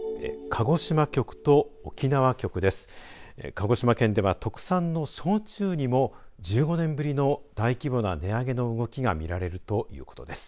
鹿児島県では特産の焼酎にも１５年ぶりの大規模な値上げの動きがみられるということです。